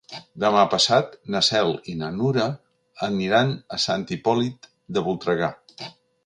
Demà passat na Cel i na Nura aniran a Sant Hipòlit de Voltregà.